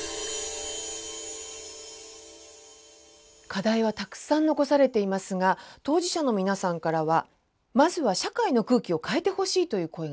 課題はたくさん残されていますが当事者の皆さんからはまずは社会の空気を変えてほしいという声が多く届いています。